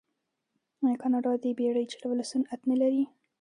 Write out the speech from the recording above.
آیا کاناډا د بیړۍ چلولو صنعت نلري؟